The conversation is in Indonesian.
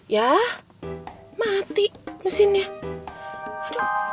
yah mati mesinnya